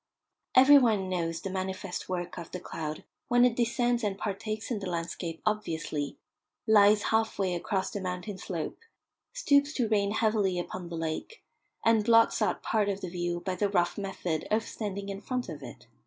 Every one knows the manifest work of the cloud when it descends and partakes in the landscape obviously, lies half way across the mountain slope, stoops to rain heavily upon the lake, and blots out part of the view by the rough method of standing in front of it.